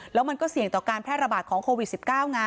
แล้วมันก็เสี่ยงต่อการแพร่ระบาดของโควิด๑๙ไง